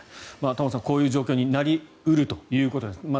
玉川さん、こういう状況になり得るということです。